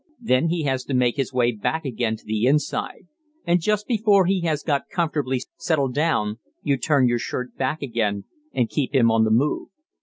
Then he has to make his way back again to the inside, and just before he has got comfortably settled down you turn your shirt back again and "keep him on the move."